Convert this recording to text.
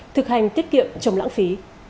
thực hành tiết kiệm chống lãng phí